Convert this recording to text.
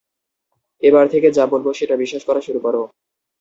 এবার থেকে যা বলব সেটা বিশ্বাস করা শুরু করো।